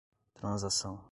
transação